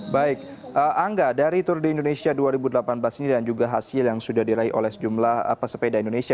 baik angga dari tour de indonesia dua ribu delapan belas ini dan juga hasil yang sudah diraih oleh sejumlah pesepeda indonesia